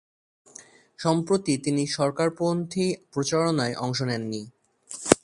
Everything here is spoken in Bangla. সম্প্রতি তিনি সরকার-পন্থী প্রচারণায় অংশ নেননি।